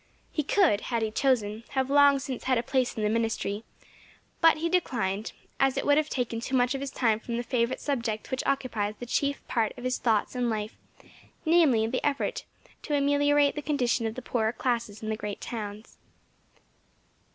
He could, had he chosen, have long since had a place in the Ministry, but he declined, as it would have taken too much of his time from the favourite subject which occupies the chief part of his thoughts and life, namely the effort to ameliorate the condition of the poorer classes in the great towns.